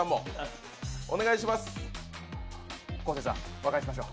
昴生さん、和解しましょう。